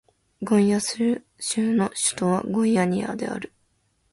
ゴイアス州の州都はゴイアニアである